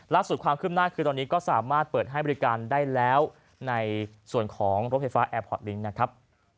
ความคืบหน้าคือตอนนี้ก็สามารถเปิดให้บริการได้แล้วในส่วนของรถไฟฟ้าแอร์พอร์ตลิงค์นะครับ